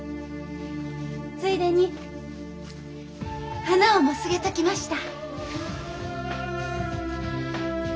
ついでに鼻緒もすげときました。